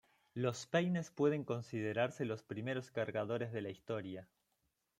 Los peines pueden considerarse los primeros cargadores de la historia.